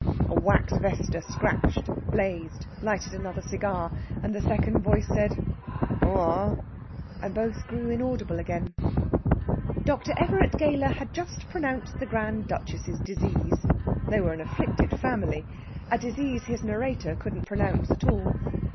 A wax vesta scratched, blazed, lighted another cigar, and the second voice said, "Oh ah!" and both grew inaudible again. Dr. Everett Gayler had just pronounced the Grand Duchess's disease they were an afflicted family a disease his narrator couldn't pronounce at all.